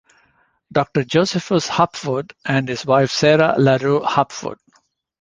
Doctor Josephus Hopwood and his wife Sarah LaRue Hopwood.